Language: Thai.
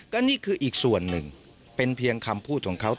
ก็นี่คืออีกส่วนหนึ่งเป็นเพียงคำพูดของเขา